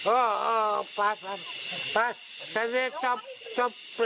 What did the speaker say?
โอ้โหปลาดปลาดปลาดปลาดปลาด